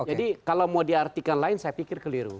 kalau mau diartikan lain saya pikir keliru